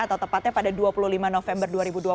atau tepatnya pada dua puluh lima november dua ribu dua puluh